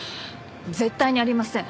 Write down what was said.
絶対にありません。